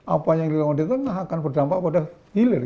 apa yang dilakukan di tengah akan berdampak pada hilir